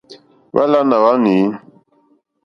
Hwálánà hwá nǐ.